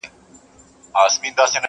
زه دي په دعا کي یادومه نور،